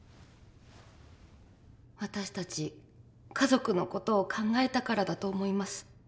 私たち家族の事を考えたからだと思います。